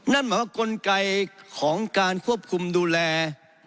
นั่นหมายว่ากลไกของการควบคุมดูแล